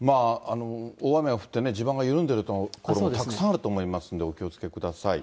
大雨が降ってね、地盤が緩んでいる所もたくさんあると思いますんで、お気をつけください。